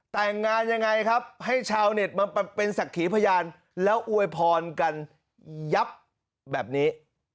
แต่งงานยังไงครับให้ชาวเน็ตมาเป็นศักดิ์ขีพยานแล้วอวยพรกันยับแบบนี้